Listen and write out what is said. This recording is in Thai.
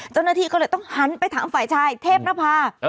เจ้าหน้าที่ก็เลยต้องหันไปถามฝ่ายชายเทพนภา